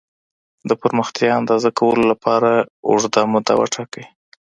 د پرمختيا اندازه کولو لپاره اوږده موده وټاکئ.